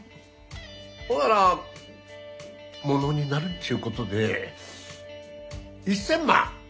ほならものになるっちゅうことで１，０００万